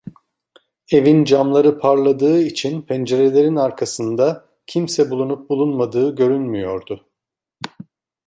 Evin camları parladığı için pencerelerin arkasında kimse bulunup bulunmadığı görünmüyordu.